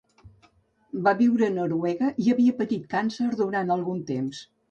Va viure a Noruega i havia patit càncer durant algun temps.